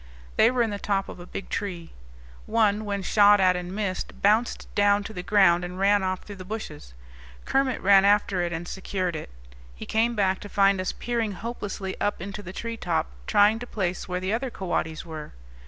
They were in the top of a big tree. One, when shot at and missed, bounced down to the ground, and ran off through the bushes; Kermit ran after it and secured it. He came back, to find us peering hopelessly up into the tree top, trying to place where the other coatis were.